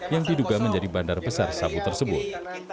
yang diduga menjadi bandar besar sabu tersebut